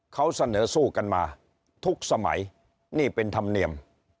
เขาเสนอสู้กันมาทุกสมัยนี่เป็นธรรมเนียม